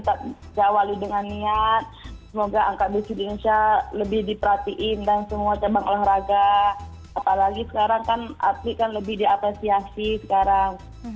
apalagi sekarang kan arti kan lebih diapresiasi sekarang